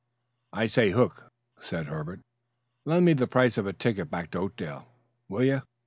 "I say, Hook," said Herbert, "lend me the price of a ticket back to Oakdale, will you.